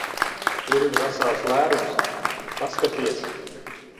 Tur ir vesels lērums. Paskaties!